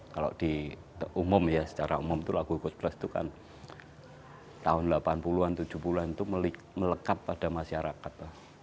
kalau di umum ya secara umum itu lagu coach plus itu kan tahun delapan puluh an tujuh puluh an itu melekat pada masyarakat